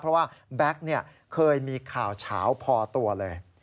เพราะว่าแบ็คเคยมีข่าวเฉาพอตัวเลย